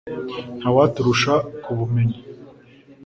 nta waturusha kubumenya